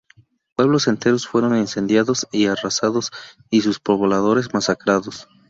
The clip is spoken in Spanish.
Pueblos enteros fueron incendiados y arrasados, y sus pobladores masacrados.